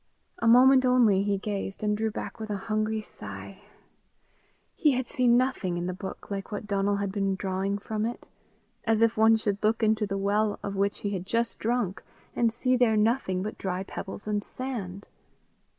A moment only he gazed, and drew back with a hungry sigh: he had seen nothing in the book like what Donal had been drawing from it as if one should look into the well of which he had just drunk, and see there nothing but dry pebbles and sand!